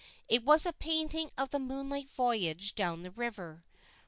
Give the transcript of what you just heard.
It was a painting of the moonlight voyage down the river.